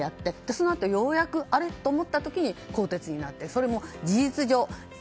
そのあとようやくあれ？と思った時に更迭になって、それも事実上。